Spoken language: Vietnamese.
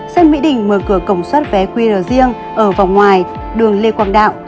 sân mỹ đình mở cửa cổng soát vé qr riêng ở vòng ngoài đường lê quang đạo